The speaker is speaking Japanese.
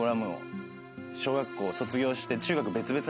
小学校卒業して。